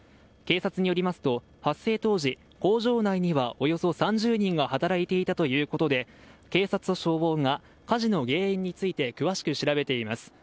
警察によりますと発生当時、工場内ではおよそ３０人が働いていたということで警察と消防が火事の原因について詳しく調べています。